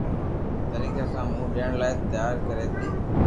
طريقي سان منهن ڏيڻ لاءِ تيار ڪري ٿي